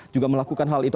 juga melakukan hal itu